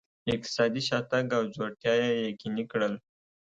اقتصادي شاتګ او ځوړتیا یې یقیني کړل.